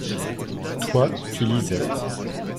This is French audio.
Toi, tu lisais.